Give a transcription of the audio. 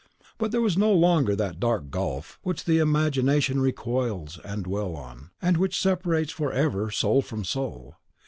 But there was no longer that dark gulf which the imagination recoils to dwell on, and which separates forever soul from soul.